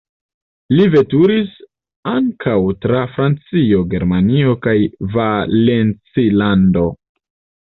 Li veturis ankaŭ tra Francio, Germanio kaj Valencilando.